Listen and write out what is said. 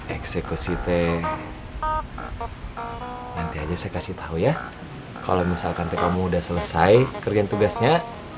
eksekusi teh nanti aja saya kasih tahu ya kalau misalkan t kamu udah selesai kerjain tugasnya